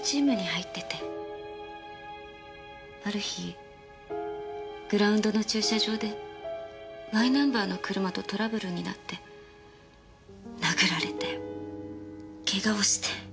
ある日グラウンドの駐車場でＹナンバーの車とトラブルになって殴られてケガをして。